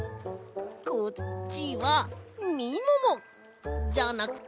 こっちはみももじゃなくてみもも